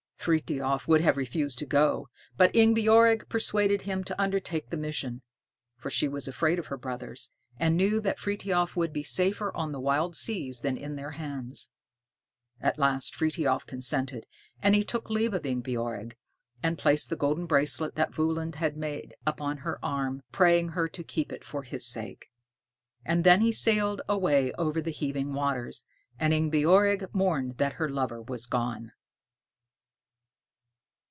Frithiof would have refused to go, but Ingebjorg persuaded him to undertake the mission; for she was afraid of her brothers, and knew that Frithiof would be safer on the wild seas than in their hands. At last Frithiof consented, and he took leave of Ingebjorg, and placed the golden bracelet that Völund had made upon her arm, praying her to keep it for his sake. And then he sailed away over the heaving waters, and Ingebjorg mourned that her lover was gone.